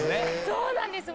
そうなんです。